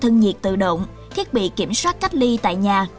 thân nhiệt tự động thiết bị kiểm soát cách ly tại nhà